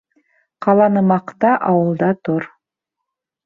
Ҡаланы маҡта, ауылда тор.